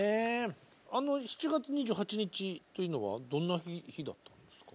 あの７月２８日というのはどんな日だったんですか？